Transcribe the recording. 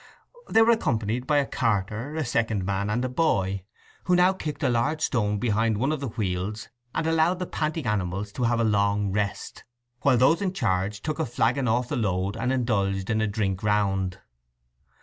They were accompanied by a carter, a second man, and a boy, who now kicked a large stone behind one of the wheels, and allowed the panting animals to have a long rest, while those in charge took a flagon off the load and indulged in a drink round.